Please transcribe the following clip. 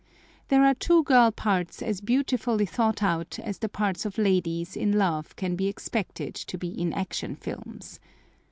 There are two girl parts as beautifully thought out as the parts of ladies in love can be expected to be in Action Films.